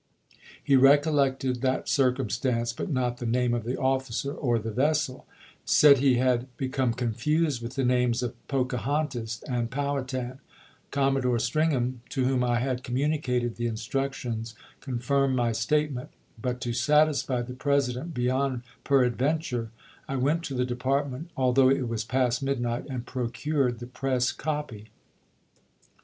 He recollected that circumstance, but not the name of the officer or the vessel — said he had become confused with the names of Pocahontas and Poivhatan. Commodore Stringham, to whom I had communicated the instructions, confirmed my statement ; but, to satisfy the President beyond per Chap. I. Mercer to WeUes, April 8,1861. "Galaxy," Nov., 1870, p. 633. 6 ABEAHAM LINCOLN Chap. I. adveuture, I went to the Department, although it was past midnight, and procured the press copy.